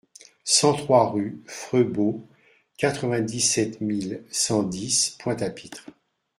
cent trois rue Frebault, quatre-vingt-dix-sept mille cent dix Pointe-à-Pitre